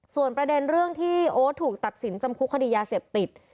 ส่วนประเด็นเรื่องที่โอ๊ตถูกตัดสินจำคุกคดียาเสพติด